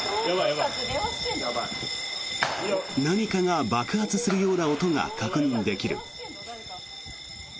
何かが爆発するような音が確認できる。